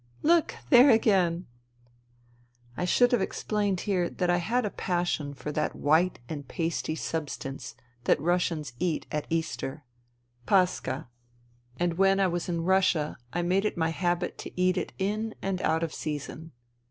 " Look : there again !" I should have explained here that I had a passion for that white and pasty substance that Russians eat at Easter — paskha, and when I was in Russia I made it my habit to eat it in and out of season.